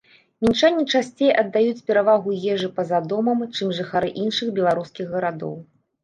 Мінчане часцей аддаюць перавагу ежы па-за домам, чым жыхары іншых беларускіх гарадоў.